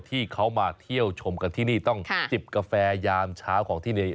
ที่เขามาเที่ยวชมกันที่นี่ต้องจิบกาแฟยามเช้าของที่นี่